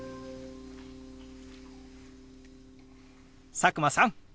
佐久間さん！